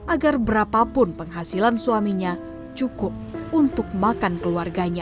agar berapapun penghasilan suaminya cukup untuk makan keluarganya